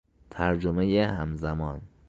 ترجمهی همزمان